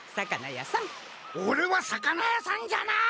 オレは魚屋さんじゃない！